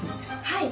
はい。